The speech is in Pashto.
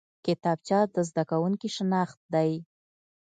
کتابچه د زده کوونکي شناخت دی